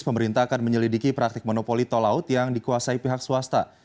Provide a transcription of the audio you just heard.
pemerintah akan menyelidiki praktik monopoli tol laut yang dikuasai pihak swasta